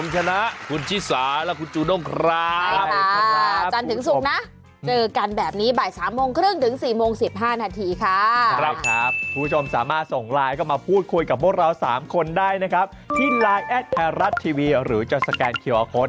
สวัสดีครับและอยู่ล่างมาจัดวิจัยสบัตรกับเรา๓คนในคู่กันสบัตรคราว